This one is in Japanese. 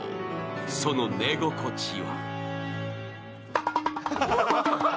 その寝心地は。